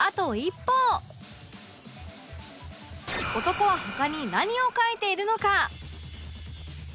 男は他に何をかいているのか？